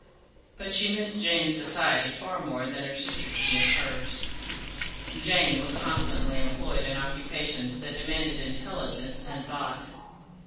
But she missed Jane's society far more than her sister could miss hers. Jane was constantly employed in occupations that demanded intelligence and thought.